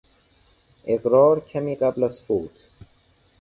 اقرار کمی قبل از فوت